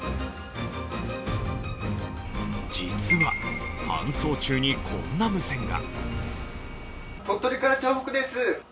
実は、搬送中に、こんな無線が。